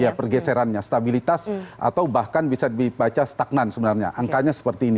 ya pergeserannya stabilitas atau bahkan bisa dibaca stagnan sebenarnya angkanya seperti ini